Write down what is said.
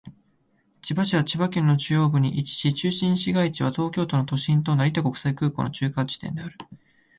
千葉市は千葉県の中央部に位置し、中心市街地は東京都の都心と成田国際空港の中間地点である。